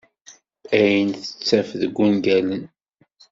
Ayen tettaf deg ungalen.